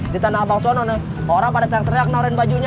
di tanah abangsono nih orang pada saat teriak naurin bajunya